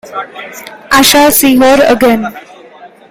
I shall see her again!